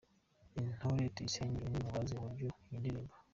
Intore Tuyisenge, umwe mu bazi uburyo iyi ndirimbo.